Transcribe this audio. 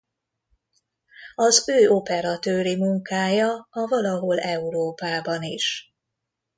Az ő operatőri munkája a Valahol Európában is.